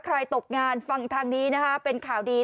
ตกงานฟังทางนี้นะคะเป็นข่าวดี